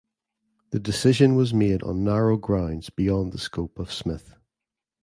The decision was made on narrow grounds beyond the scope of "Smith".